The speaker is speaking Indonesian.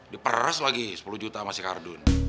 diperes lagi sepuluh juta sama si kardun